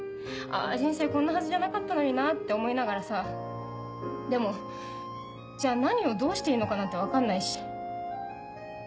あ人生こんなはずじゃなかったのになって思いながらさでもじゃあ何をどうしていいのかなんて分かんないし。